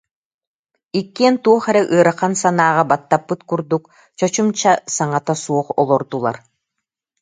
Иккиэн туох эрэ ыарахан санааҕа баттаппыт курдук чочумча саҥата суох олордулар